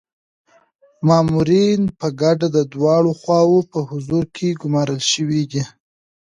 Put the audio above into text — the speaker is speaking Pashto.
مامورین په ګډه د دواړو خواوو په حضور کي ګمارل شوي دي.